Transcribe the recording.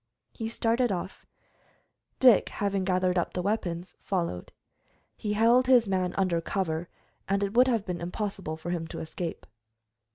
He started off. Dick, having gathered up the weapons, followed. He held his man under cover, and it would have been impossible for him to escape.